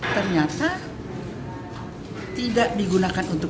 ternyata tidak digunakan untuk